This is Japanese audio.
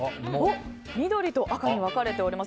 緑と赤に分かれております。